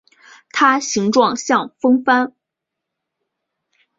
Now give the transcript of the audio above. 它形状像风帆。